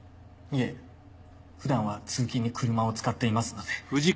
いえふだんは通勤に車を使っていますので。